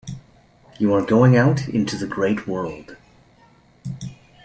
You are going out into the great world.